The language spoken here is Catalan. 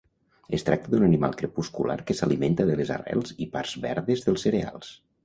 Es tracta d'un animal crepuscular que s'alimenta de les arrels i parts verdes dels cereals.